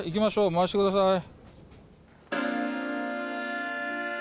回してください。